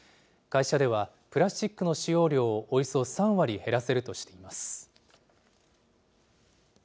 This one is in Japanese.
会社では、プラスチックの使用量をおよそ３割減らせるとしています。